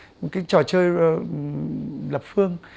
những cái trò chơi lập phương